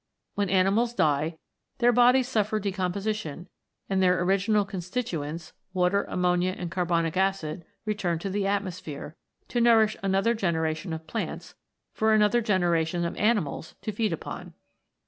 When animals die, their bodies suffer decomposition, and their original constituents water, ammonia, and carbonic acid, return to the atmosphere, to nourish another generation of plants, for another generation of animals to feed upon.